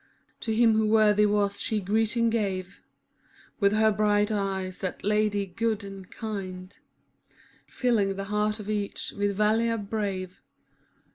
To him who worthy was she greeting gave With her bright eyes, that Lady good and kind, i» Filling the heart of each with valour brave.